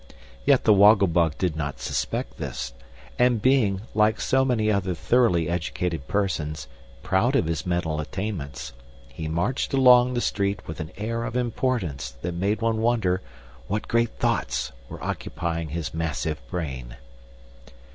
Yet the Woggle Bug did not suspect this, and being, like so many other thoroughly educated persons, proud of his mental attainments, he marched along the street with an air of importance that made one wonder what great thoughts were occupying his massive brain.